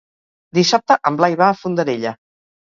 Dissabte en Blai va a Fondarella.